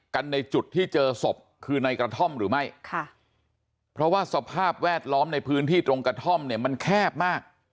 ในจุดที่เจอศพคือในกระท่อมหรือไม่ค่ะเพราะว่าสภาพแวดล้อมในพื้นที่ตรงกระท่อมเนี่ยมันแคบมาก